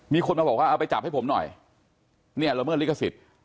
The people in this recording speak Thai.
มีคนมาบอกว่าเอาไปจับให้ผมหน่อยเนี่ยละเมิดลิขสิทธิ์